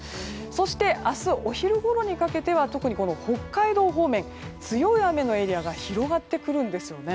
そして、明日お昼ごろにかけては特に北海道方面強い雨のエリアが広がってくるんです。